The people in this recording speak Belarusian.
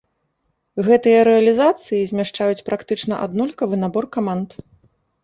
Гэтыя рэалізацыі змяшчаюць практычна аднолькавы набор каманд.